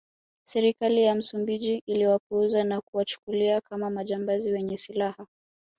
Serikali ya Msumbiji iliwapuuza na kuwachukulia kama majambazi wenye silaha